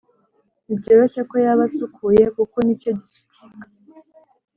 ntibyoroshye ko yaba asukuye kuko ni cyo gisukika